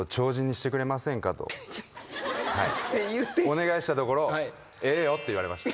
お願いしたところ。って言われました。